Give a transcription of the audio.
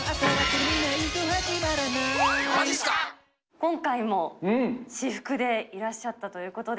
今回も私服でいらっしゃったということで。